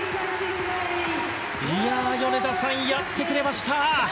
米田さん、やってくれました！